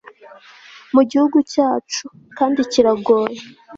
mu gihugu cyacu, kandi kiragoye